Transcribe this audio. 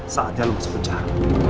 saatnya lo masuk kejar